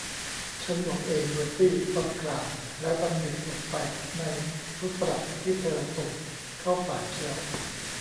ฉันบอกเองเบอร์ตี้ หล่อนกล่าว แล้วดำดิ่งลงไปในฟรุ้ตสลัดที่เธอส่งเข้าปากเคี้ยว